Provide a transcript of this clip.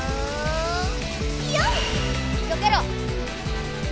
よけろ！